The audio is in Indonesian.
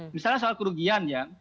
misalnya soal kerugian ya